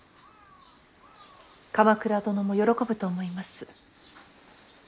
鎌倉殿も喜ぶと思います。